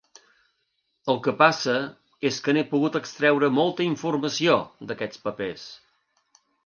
El que passa és que n'he pogut extreure molta informació, d'aquests papers.